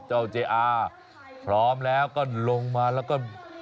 เจ้าเจอาพร้อมแล้วก็ลงมาแล้วก็